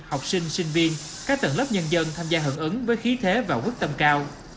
học sinh sinh viên các tầng lớp nhân dân tham gia hưởng ứng với khí thế và quyết tâm cao